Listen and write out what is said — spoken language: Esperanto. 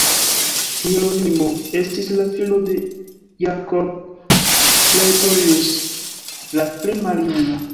Hieronimo estis la filo de Jacob Praetorius la pli maljuna.